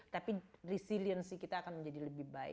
tapi resiliensi kita akan muncul